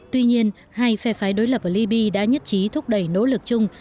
tuy nhiên hai phe phái đối lập ở liby đã nhất trí thúc đẩy nỗ lực chung